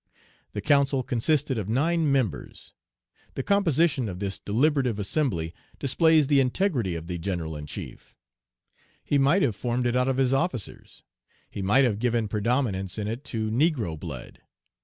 The council consisted of nine members. The composition of this deliberative assembly displays the integrity of the General in chief. He might have formed it out of his officers. He might have given predominance in it to negro blood.